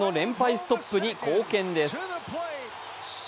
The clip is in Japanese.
ストップに貢献です。